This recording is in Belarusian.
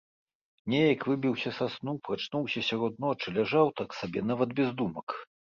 Неяк выбіўся са сну, прачнуўся сярод ночы, ляжаў так сабе, нават без думак.